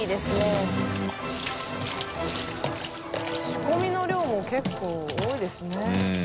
淵Εぅ仕込みの量も結構多いですねうん。